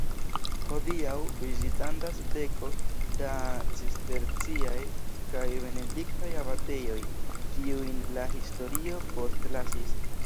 Hodiaŭ vizitindas deko da cisterciaj kaj benediktaj abatejoj, kiujn la historio postlasis.